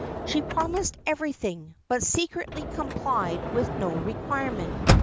She promised everything, but secretly complied with no requirement.